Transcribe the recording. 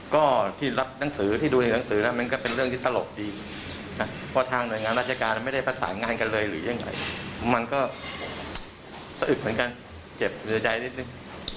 ก็ที่รับหนังสือที่ดูในหนังสือนะมันก็เป็นเรื่องที่ตลกดีเพราะทางหน่วยงานราชการไม่ได้ประสานงานกันเลยหรือยังไงมันก็สะอึกเหมือนกันเจ็บเหลือใจนิดนึง